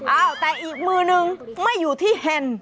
อ้าวแต่อีกมือนึงไม่อยู่ที่เฮนด์